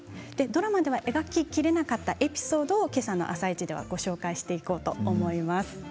ドラマでは描ききれなかったエピソードけさの「あさイチ」ではご紹介していこうと思います。